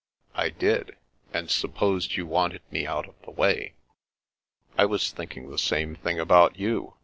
" I did, and supposed you wanted me out of the way." " I was thinking the same thing about you.